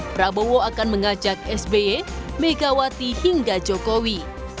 prabowo akan mengajak sby megawati hingga jokowi